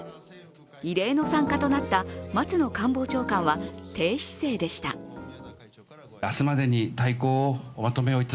異例の参加となった松野官房長官は低姿勢でした。